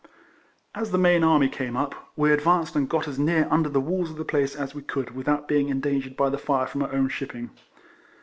As the main army came up, we advanced and got as near under the walls of the place as we could without being endangered by the IS IlECOLLECTIONS OF fire from our own shipping.